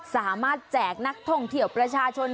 แจกนักท่องเที่ยวประชาชน